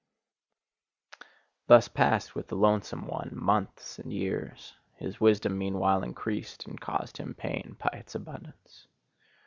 Thus passed with the lonesome one months and years; his wisdom meanwhile increased, and caused him pain by its abundance.